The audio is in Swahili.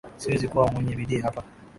Siwezi kuwa mwenye bidii hapa.